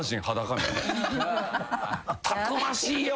たくましいよ。